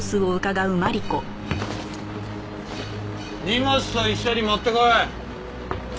荷物と一緒に持ってこい。